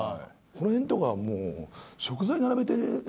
この辺とかは食材並べて。